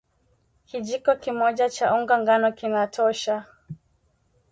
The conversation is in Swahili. kijiko kimoja cha unga ngano kinatosha